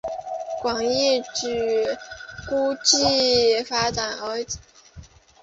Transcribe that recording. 广义矩估计发展而来。